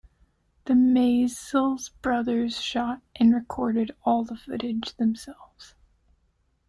The Maysles brothers shot and recorded all the footage themselves.